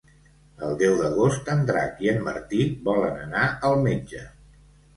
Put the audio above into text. El deu d'agost en Drac i en Martí volen anar al metge.